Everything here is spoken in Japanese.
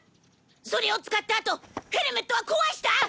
それを使ったあとヘルメットは壊した！？